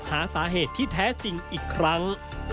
หาสาเหตุที่แท้จริงอีกครั้ง